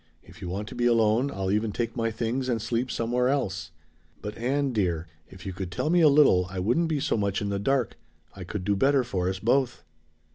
If you want to be alone I'll even take my things and sleep somewhere else. But, Ann, dear, if you could tell me a little I wouldn't be so much in the dark; I could do better for us both."